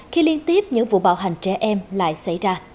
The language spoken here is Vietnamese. khi liên tiếp những vụ bạo hành trẻ em lại xảy ra